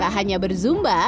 tak hanya berzumba